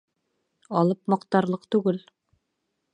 Алып маҡтарлыҡ түгел